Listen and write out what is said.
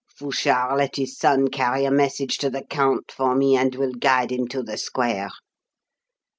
Fouchard let his son carry a message to the count for me, and will guide him to the square.